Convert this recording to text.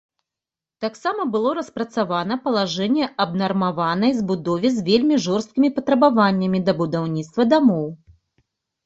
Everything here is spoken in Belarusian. Таксама было распрацавана палажэнне аб нармаванай забудове з вельмі жорсткімі патрабаваннямі да будаўніцтва дамоў.